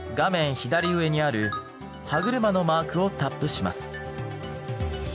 左上にある歯車のマークをタップします。